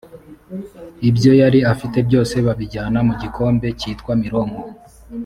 ibyo yari afite byose babijyana mu gikombe cyitwa mironko